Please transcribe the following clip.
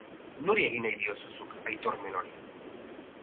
Nori egin nahi diozu zuk aitormen hori?